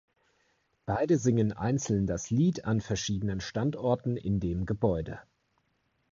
Beide singen einzeln das Lied an verschiedenen Standorten in dem Gebäude.